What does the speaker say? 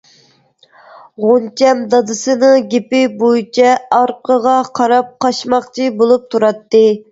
غۇنچەم دادىسىنىڭ گېپى بويىچە ئارقىغا قاراپ قاچماقچى بولۇپ تۇراتتى.